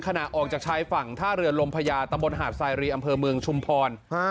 ขณะออกจากชายฝั่งท่าเรือลมพญาตำบลหาดไซรีอำเภอเมืองชุมพร